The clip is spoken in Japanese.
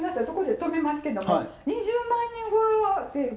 そこで止めますけども２０万人超えはて